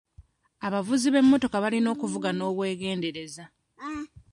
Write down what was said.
Abavuzi b'emmotoka balina okuvuga n'obwegendereza.